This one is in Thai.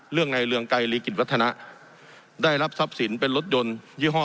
ในเรืองไกรลีกิจวัฒนะได้รับทรัพย์สินเป็นรถยนต์ยี่ห้อ